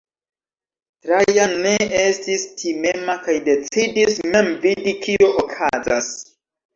Trajan ne estis timema kaj decidis mem vidi kio okazas.